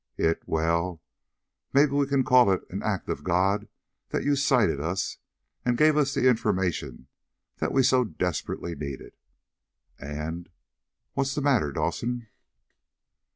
It well, maybe we can call it an act of God that you sighted us, and gave us the information that we so desperately needed. And What's the matter, Dawson?"